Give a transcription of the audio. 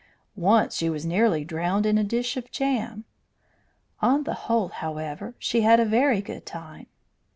Once she was nearly drowned in a dish of jam. On the whole, however, she had a very good time.